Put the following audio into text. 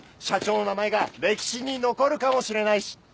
社長の名前が歴史に残るかもしれないし。